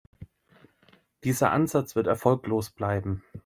Dieser Ansatz wird erfolglos bleiben.